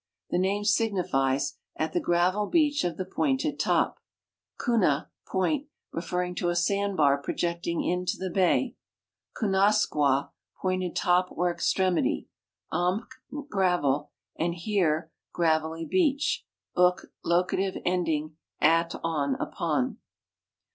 The name signifies "at the gravel beach of the pointed top;" liuna, " point," referring to a sandbar projecting into the bay ; kunaskwd, "pointed top or extremity;" ^mk, "gravel," and here "gravelly beach ;" uk, locative ending, at, on, upon.